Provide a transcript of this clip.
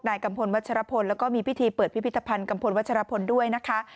กัมพลวัชรพลแล้วก็มีพิธีเปิดพิพิธภัณฑ์กัมพลวัชรพลด้วยนะคะ